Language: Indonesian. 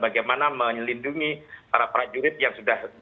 bagaimana melindungi para prajurit yang sudah